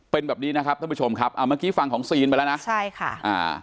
เป็นแบบนี้นะครับท่านผู้ชมครับอ่าเมื่อกี้ฟังของซีนไปแล้วนะใช่ค่ะอ่า